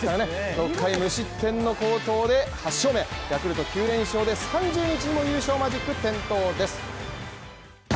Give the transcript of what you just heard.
６回無失点の好投で８勝目ヤクルト９連勝で３０日にも優勝マジック点灯です。